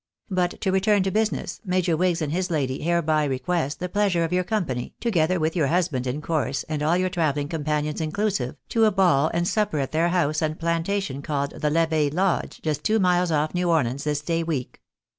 But to return to business, Major Wigs and his lady hereby request the pleasure of your company, together with your husband, in course, and all your travelling companions inclusive, to a ball and supper at their house and plantation called the Levee Lodge, just two miles off New Orleans, this day week.